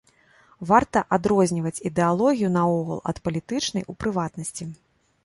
Варта адрозніваць ідэалогію наогул, ад палітычнай у прыватнасці.